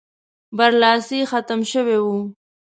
برلاسی ختم شوی وو.